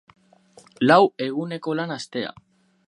Lau eguneko lan astea.